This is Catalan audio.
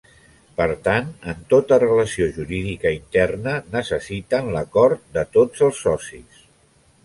Per tant en tota relació jurídica interna necessiten l'acord de tots els socis.